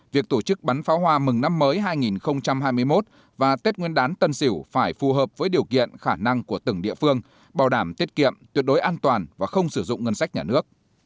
việc tổ chức bắn pháo hoa mừng năm mới hai nghìn hai mươi một và tết nguyên đán tân sỉu phải phù hợp với điều kiện khả năng của từng địa phương bảo đảm tiết kiệm tuyệt đối an toàn và không sử dụng ngân sách nhà nước